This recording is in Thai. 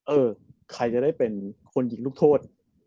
เออใครจะได้เป็นคนยิงลูกโทษ